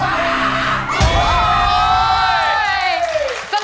ปีโชว์